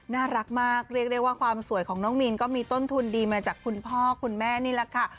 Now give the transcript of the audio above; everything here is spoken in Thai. น่ารักมากเรียกได้ว่าความสวยของน้องมีนก็มีต้นทุนดีมาจากคุณพ่อคุณแม่นี่แหละค่ะ